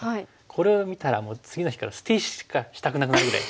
これを見たらもう次の日から捨て石しかしたくなくなるぐらい。